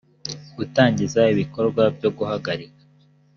gutangiza ibikorwa byo guhagarika